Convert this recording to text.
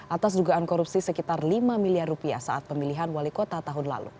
atas dugaan korupsi sekitar lima miliar rupiah saat pemilihan wali kota tahun lalu